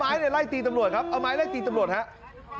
ไล่ตีตำรวจครับเอาไม้ไล่ตีตำรวจครับ